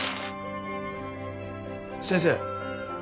先生